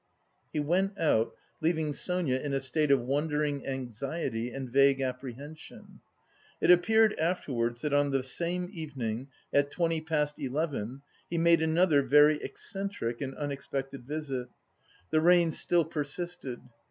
He went out, leaving Sonia in a state of wondering anxiety and vague apprehension. It appeared afterwards that on the same evening, at twenty past eleven, he made another very eccentric and unexpected visit. The rain still persisted.